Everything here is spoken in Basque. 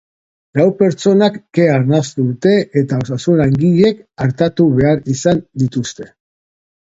Lau pertsonak kea arnastu dute eta osasun-langileek artatu behar izan dituzte.